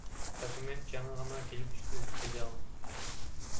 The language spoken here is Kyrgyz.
Документ жаңы гана келип түштү, — деди ал.